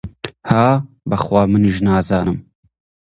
ها، بە خوا منیش نازانم!